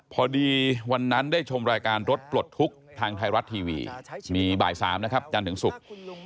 พอดีวันนั้นได้ชมรายการรถปลดทุกข์ทางไทยรัฐทีวีมีบ่าย๓นะครับจันทร์ถึงศุกร์